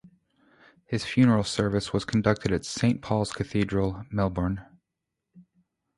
His funeral service was conducted at Saint Paul's Cathedral, Melbourne.